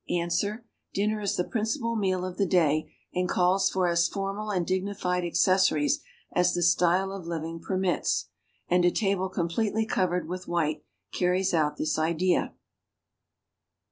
Ans. Dinner is the [)rincipal meal of the day and calls for as formal and dignified accessories as the style of living permits; and a table completely covered with white carries out this idea.